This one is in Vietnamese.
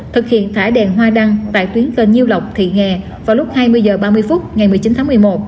thực hiện thải đèn hoa đăng tại tuyến cơn nhiêu lọc thị nghè vào lúc hai mươi h ba mươi phút ngày một mươi chín tháng một mươi một